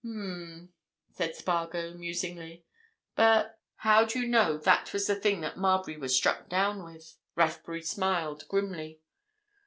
"Um!" said Spargo, musingly. "But—how do you know that was the thing that Marbury was struck down with?" Rathbury smiled grimly.